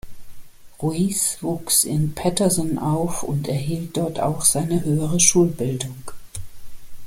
Ruiz wuchs in Paterson auf und erhielt dort auch seine höhere Schulbildung.